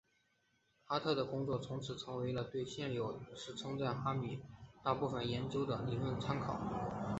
哈特的工作从此成为了对现在有时称为费米哈特佯谬的大部分研究的理论参考。